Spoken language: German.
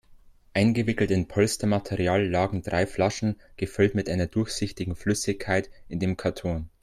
Eingewickelt in Polstermaterial lagen drei Flaschen, gefüllt mit einer durchsichtigen Flüssigkeit, in dem Karton.